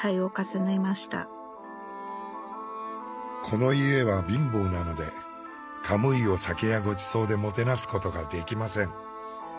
この家は貧乏なのでカムイを酒やごちそうでもてなすことができません。